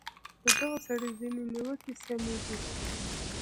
د دغه سړي ځینې نیوکې سمې دي.